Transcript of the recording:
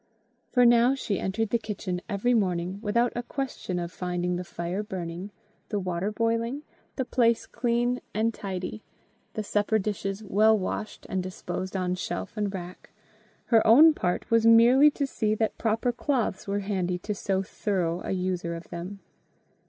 For now she entered the kitchen every morning without a question of finding the fire burning, the water boiling, the place clean and tidy, the supper dishes well washed and disposed on shelf and rack: her own part was merely to see that proper cloths were handy to so thorough a user of them.